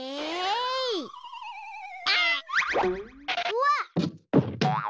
うわっ！